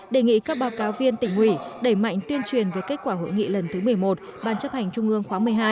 đề nghị các báo cáo viên tỉnh ủy đẩy mạnh tuyên truyền về kết quả hội nghị lần thứ một mươi một ban chấp hành trung ương khóa một mươi hai